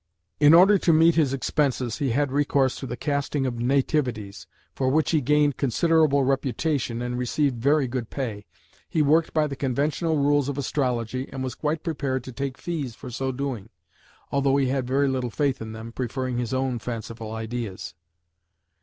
In order to meet his expenses he had recourse to the casting of nativities, for which he gained considerable reputation and received very good pay. He worked by the conventional rules of astrology, and was quite prepared to take fees for so doing, although he had very little faith in them, preferring his own fanciful ideas.